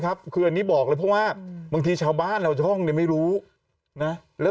ครับคืออันนี้บอกเลยเพราะว่าบางทีชาวบ้านเราช่องเนี่ยไม่รู้นะแล้ว